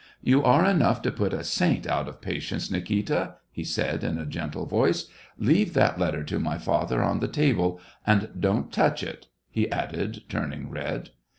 " You are enough to put a saint out of patience, Nikita," he said, in a gentle voice. " Leave that letter to my father on the table, and don't touch it," he added, turning red.